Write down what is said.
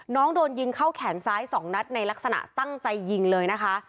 น้องโดนยิงเข้าแขนซ้าย๒นัดในลักษณะตั้งใจยิงเลยนะคะ